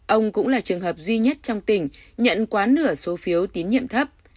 ông cũng là trường hợp duy nhất trong tỉnh nhận quá nửa số phiếu tín nhiệm thấp